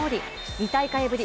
２大会ぶり